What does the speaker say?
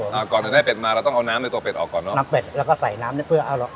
อ่าก่อนถึงได้เป็ดมาเราต้องเอาน้ำในตัวเป็ดออกก่อนเนอะน้ำเป็ดแล้วก็ใส่น้ำเนี้ยเพื่อเอาหรอก